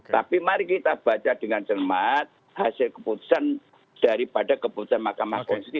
tapi mari kita baca dengan cermat hasil keputusan daripada keputusan mahkamah konstitusi